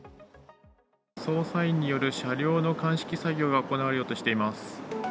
捜査員による車両の鑑識作業が行われようとしています。